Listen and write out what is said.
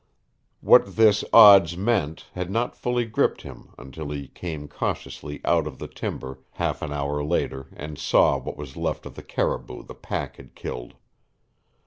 What this odds meant had not fully gripped him until he came cautiously out of the timber half an hour later and saw what was left of the caribou the pack had killed.